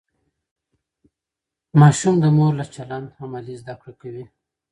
ماشوم د مور له چلند عملي زده کړه کوي.